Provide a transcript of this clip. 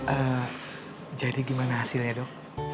eh jadi gimana hasilnya dok